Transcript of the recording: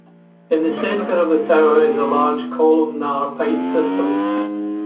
In the center of the tower is a large columnar pipe system.